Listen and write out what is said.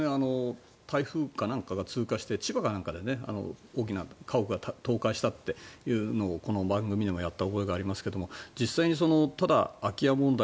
台風かなんかが通過して千葉かなんかで大きな家屋が倒壊したというのをこの番組でもやった覚えがありますけど実際にただ、空き家問題